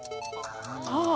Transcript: ああ。